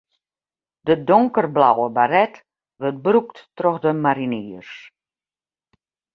De donkerblauwe baret wurdt brûkt troch de mariniers.